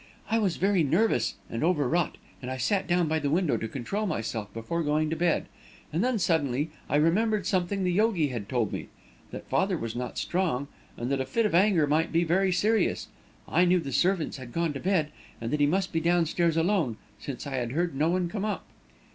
I was very nervous and over wrought, and I sat down by the window to control myself before going to bed. And then, suddenly, I remembered something the yogi had told me that father was not strong, and that a fit of anger might be very serious. I knew the servants had gone to bed, and that he must be downstairs alone, since I had heard no one come up."